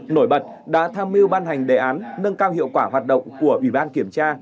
nổi bật đã tham mưu ban hành đề án nâng cao hiệu quả hoạt động của ủy ban kiểm tra